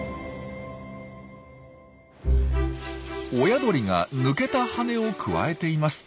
親鳥が抜けた羽根をくわえています。